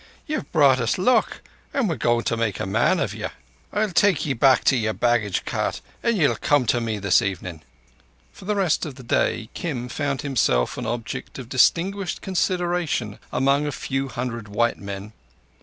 Ye've brought us luck, an' we're goin' to make a man of you. I'll take ye back to your baggage cart and ye'll come to me this evening." For the rest of the day Kim found himself an object of distinguished consideration among a few hundred white men.